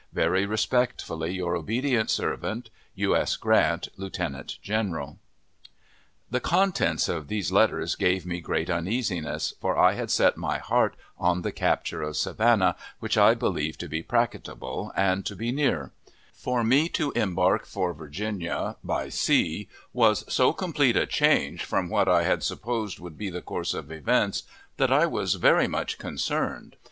Very respectfully your obedient servant, U. S. GRANT, Lieutenant General. The contents of these letters gave me great uneasiness, for I had set my heart on the capture of Savannah, which I believed to be practicable, and to be near; for me to embark for Virginia by sea was so complete a change from what I had supposed would be the course of events that I was very much concerned.